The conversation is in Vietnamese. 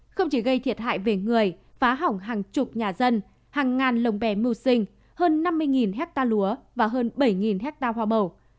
không chỉ gây thiệt hại về người phá hỏng hàng chục nhà dân hàng ngàn lồng bè mưu sinh hơn năm mươi hectare lúa và hơn bảy hectare hoa màu